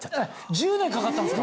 １０年かかったんですか？